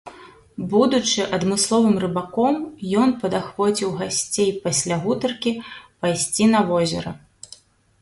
Будучы адмысловым рыбаком, ён падахвоціў гасцей пасля гутаркі пайсці на возера.